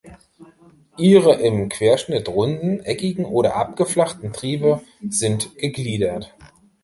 Ihre im Querschnitt runden, eckigen oder abgeflachten Triebe sind gegliedert.